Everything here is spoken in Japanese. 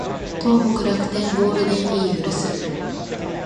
東北楽天ゴールデンイーグルス